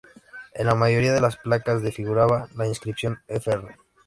En la mayoría de las placas de figuraba la inscripción "Fr.